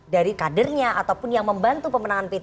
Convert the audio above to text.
dari kadernya ataupun yang membantu pemenangan p tiga